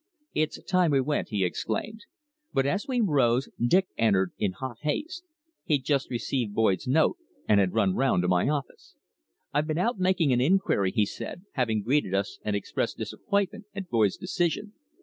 "It's time we went," he exclaimed; but as we rose Dick entered in hot haste. He had just received Boyd's note and had run round to my office. "I've been out making an inquiry," he said, having greeted us and expressed disappointment at Boyd's decision.